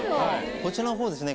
こちらのほうですね